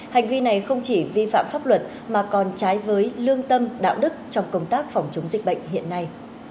hành vi này không chỉ vi phạm pháp luật mà còn trái với lương tâm đạo đức trong công tác phòng chống dịch bệnh hiện nay